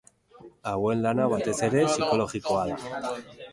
Hauen lana batez ere psikologikoa da.